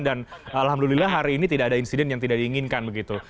alhamdulillah hari ini tidak ada insiden yang tidak diinginkan begitu